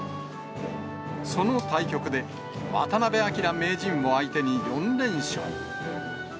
その対局で、渡辺明名人を相手に４連勝。